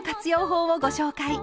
法をご紹介。